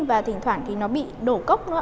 và thỉnh thoảng thì nó bị đổ cốc